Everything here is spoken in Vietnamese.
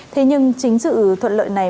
thế nhưng chính sự thuận lợi này